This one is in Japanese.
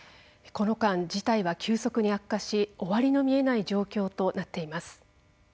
この間事態は急速に悪化し終わりの見えない状況となっています。